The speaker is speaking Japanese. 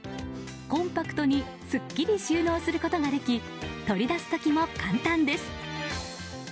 コンパクトにすっきり収納することができ取り出す時も簡単です。